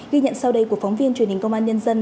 ghi nhận sau đây của phóng viên truyền hình công an nhân dân